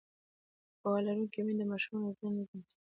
پوهه لرونکې میندې د ماشومانو ورځنی نظم ساتي.